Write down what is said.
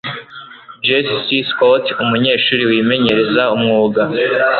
jess c. scott, umunyeshuri wimenyereza umwuga